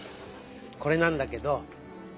これなんだけど。